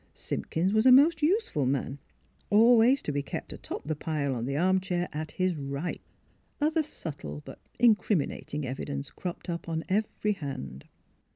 Simpkins was a most useful man, always to be kept atop the pile on the armchair at his right. Other subtle, but incriminating evidence cropped up on every hand.